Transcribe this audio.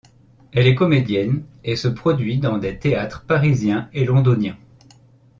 Elle est comédienne et se produit dans des théâtres parisiens et londoniens.